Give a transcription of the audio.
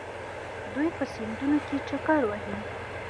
دوی په سیندونو کې چکر وهي.